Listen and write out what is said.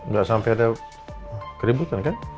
gak sampe ada keributan kan